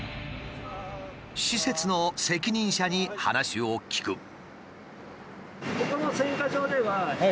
施設の責任者に話を聞く。